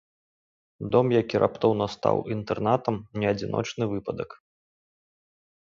Дом, які раптоўна стаў інтэрнатам, не адзіночны выпадак.